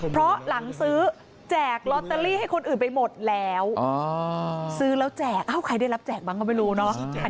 เพราะหลังซื้อแจกลอตเตอรี่ให้คนอื่นไปหมดแล้วซื้อแล้วแจกเอ้าใครได้รับแจกบ้างก็ไม่รู้เนอะ